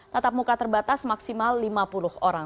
tatap muka terbatas maksimal lima puluh orang